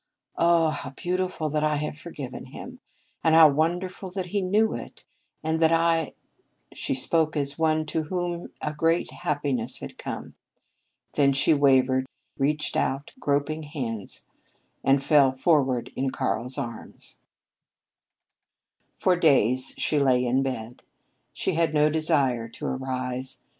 Oh, how beautiful that I have forgiven him and how wonderful that he knew it, and that I " She spoke as one to whom a great happiness had come. Then she wavered, reached out groping hands, and fell forward in Karl's arms. For days she lay in her bed. She had no desire to arise.